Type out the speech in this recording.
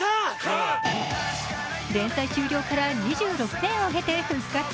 連載終了から２６年を経て復活。